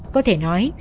có thể nói